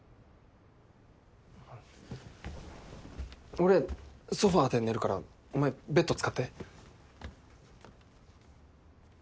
俺ソファで寝るからお前ベッド使って。